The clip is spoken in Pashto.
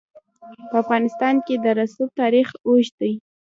په افغانستان کې د رسوب تاریخ اوږد دی.